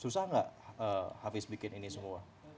susah nggak habis bikin ini semua